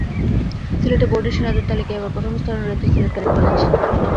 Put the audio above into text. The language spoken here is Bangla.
সিলেটে বোর্ডে সেরাদের তালিকায় এবার প্রথম স্থানে রয়েছে সিলেট ক্যাডেট কলেজ।